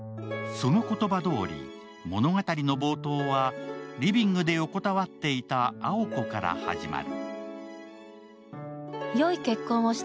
その言葉どおり、物語の冒頭はリビングで横たわっていた青子から始まる。